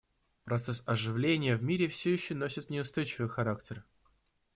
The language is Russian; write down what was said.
Процесс оживления в мире все еще носит неустойчивый характер.